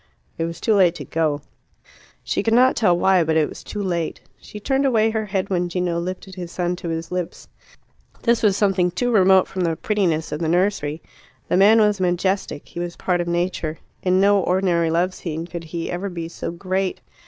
It was too late to go. She could not tell why, but it was too late. She turned away her head when Gino lifted his son to his lips. This was something too remote from the prettiness of the nursery. The man was majestic; he was a part of Nature; in no ordinary love scene could he ever be so great.